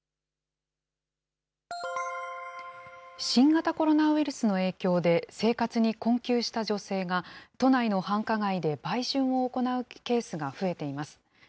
新型コロナウイルスの影響で、生活に困窮した女性が、都内の繁華街で売春を行うケースが増えています。